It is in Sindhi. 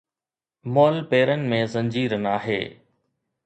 مئل پيرن ۾ زنجير ناهي